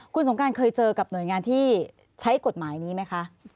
คุณสงการเคยเจอกับหน่วยงานที่ใช้กฎหมายนี้ไหมคะ